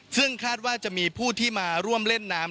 ซึ่งคาดว่าจะมีผู้ที่มาร่วมเล่นน้ำ